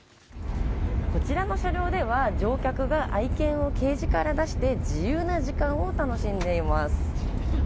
こちらの車両では乗客が愛犬をケージから出して自由な時間を楽しんでいます。